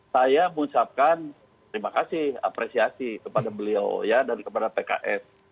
saya mengucapkan terima kasih apresiasi kepada beliau dan kepada pks